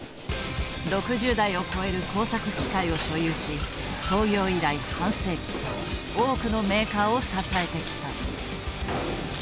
６０台を超える工作機械を所有し創業以来半世紀多くのメーカーを支えてきた。